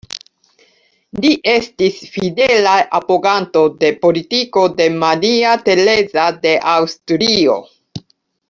Li estis fidela apoganto de politiko de Maria Tereza de Aŭstrio.